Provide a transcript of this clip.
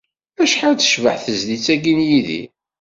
Acḥal tecbeḥ tezlit-agi n Yidir!